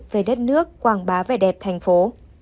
về đất nước quảng bá về đẹp thành phố